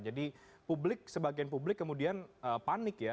jadi sebagian publik kemudian panik ya